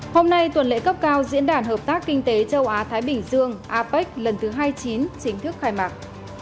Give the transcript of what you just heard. hôm nay tuần lễ cấp cao diễn đàn hợp tác kinh tế châu á thái bình dương apec lần thứ hai mươi chín chính thức khai mạc